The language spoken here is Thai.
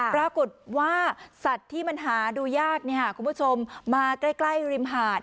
ปรากฏว่าสัตว์ที่มันหาดูยากคุณผู้ชมมาใกล้ริมหาด